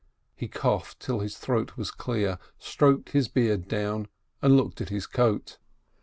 He coughed till his throat was clear, stroked his beard down, and looked at his coat.